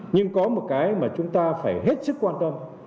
nhưng có một cái mà chúng ta phải hết sức quan tâm